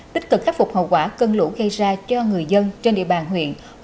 tích cực khắc phục hậu quả cân lũ